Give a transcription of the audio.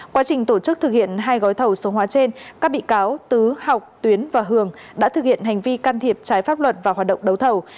quá trình tổ chức thực hiện hai gói thầu số hóa trên các bị cáo tứ học tuyến và hường đã thực hiện hành vi can thiệp trái pháp luật và hoạt động đấu thầu